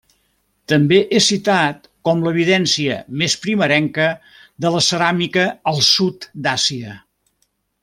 També és citat com l'evidència més primerenca de la ceràmica al sud d'Àsia.